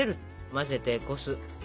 混ぜてこす。